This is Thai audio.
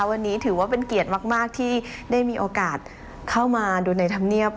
วันนี้ถือว่าเป็นเกียรติมากที่ได้มีโอกาสเข้ามาดูในธรรมเนียบ